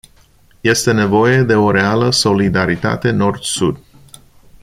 Este nevoie de o reală solidaritate nord-sud.